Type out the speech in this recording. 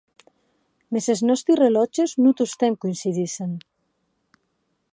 Mès es nòsti relòtges non tostemp coïncidissen.